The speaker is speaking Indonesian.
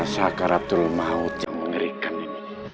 saka raptur maut yang mengerikan ini